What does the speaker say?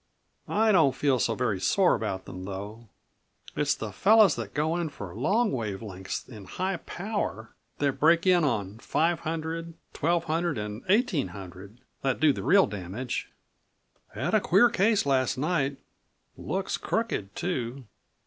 I don't feel so very sore about them though. It's the fellows that go in for long wave lengths and high power, that break in on 500, 1200 and 1800, that do the real damage. Had a queer case last night. Looks crooked, too."